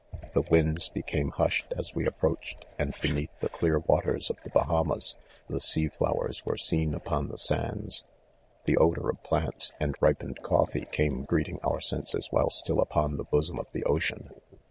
4 The winds became hushed as we approach ed, and beneath the clear waters of the Baha maSj the sea flowers were seen upon the sands, The odour of plants and ripened coffee came greeting our senses while still upon the bosom of the ocean.